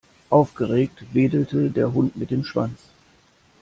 Aufgeregt wedelte der Hund mit dem Schwanz.